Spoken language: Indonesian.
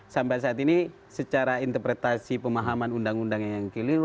sampai saat ini secara interpretasi pemahaman undang undang yang keliru